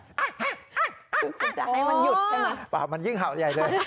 คุณจะให้มันหยุดใช่ไหมมันยิ่งเห่าใหญ่เลย